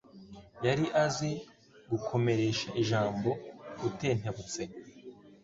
Yari azi "gukomeresha ijambo" "utentebutse."